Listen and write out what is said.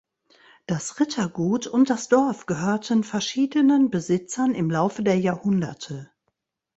Das Rittergut und das Dorf gehörten verschiedenen Besitzern im Laufe der Jahrhunderte.